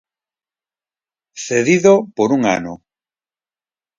Cedido por un ano.